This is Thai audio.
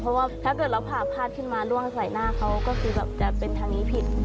เพราะว่าถ้าเกิดเราผ่าพาดขึ้นมาร่วงใส่หน้าเขาก็คือแบบจะเป็นทางนี้ผิด